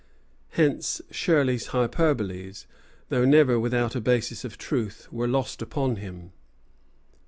Hence Shirley's hyperboles, though never without a basis of truth, were lost upon him.